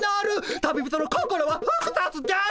旅人の心はふくざつです。